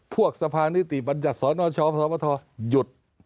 พวกสภานิติบัญจัศนชสมหยุด